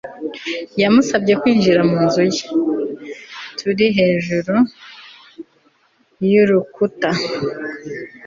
yamusabye kwinjira mu nzu ye. turi hejuru y'urukuta